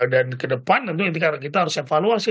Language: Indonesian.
dan ke depan tentu intikan kita harus evaluasi